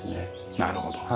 なるほど。